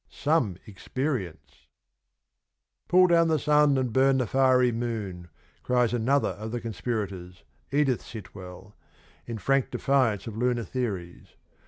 Some experience !' Pull down the sun and burn the fiery moon,' cries another of the conspirators, Edith Sitwell, in frank defiance of lunar theories.